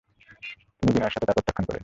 তিনি বিনয়ের সাথে তা প্রত্যাখান করেন ।